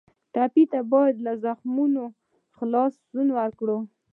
ټپي ته باید له زخمونو خلاصون ورکړو.